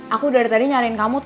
aku dari tadi nyariin kamu tuh